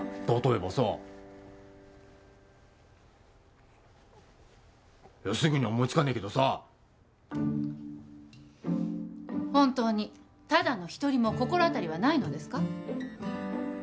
例えばさすぐには思いつかねえけどさ本当にただの一人も心当たりはないのですか？